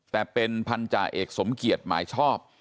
แต่เป็นพันธาเอกสมเกียจหมายชอบ